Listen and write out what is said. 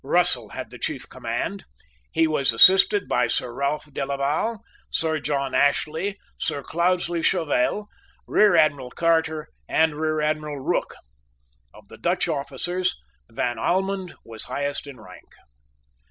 Russell had the chief command. He was assisted by Sir Ralph Delaval, Sir John Ashley, Sir Cloudesley Shovel, Rear Admiral Carter, and Rear Admiral Rooke. Of the Dutch officers Van Almonde was highest in rank.